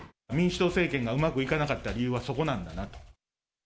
民主党政権がうまくいかなかった理由はそこなんだなと。